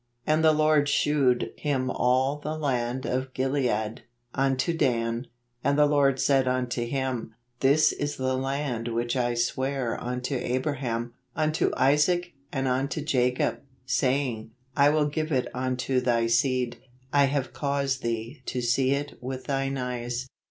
And the Lord shewed him all the land of Gilead, unto Dan . And the Lord said unto him, This is theland which I sware unto Abraham, unto Isaac, and unto Jacob, saying, I will give it unto thy seed: I have caused thee to see it with thine eyes.